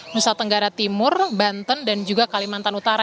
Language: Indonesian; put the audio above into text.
nusa tenggara timur banten dan juga kalimantan utara